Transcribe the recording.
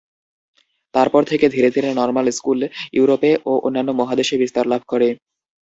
তারপর থেকে ধীরে ধীরে নর্মাল স্কুল ইউরোপে ও অন্যান্য মহাদেশে বিস্তার লাভ করে।